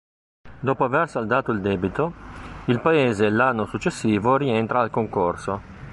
Dopo aver saldato il debito, il paese l'anno successivo rientra al concorso.